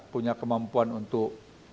punya kemampuan untuk